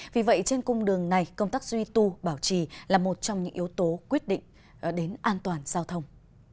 vì vậy trên cung đường này công tác duy tu bảo trì là một trong những yếu tố quyết định đến an toàn giao thông